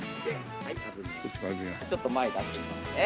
ちょっと前に出してみますね。